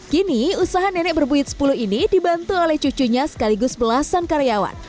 kini usaha nenek berbuit sepuluh ini dibantu oleh cucunya sekaligus belasan karyawan